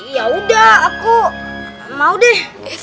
yaudah aku mau deh